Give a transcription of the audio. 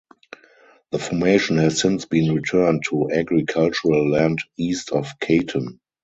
The formation has since been returned to agricultural land east of Caton.